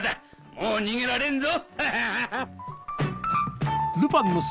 もう逃げられんぞアハハ！